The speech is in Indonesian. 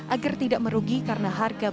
agar tidak merugi karena harga